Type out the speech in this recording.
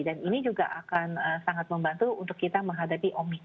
dan ini juga akan sangat membantu untuk kita menghadapi omikron